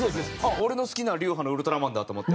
俺の好きな流派のウルトラマンだと思って。